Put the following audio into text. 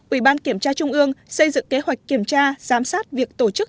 ủy ban kiểm tra trung ương xây dựng kế hoạch kiểm tra giám sát việc tổ chức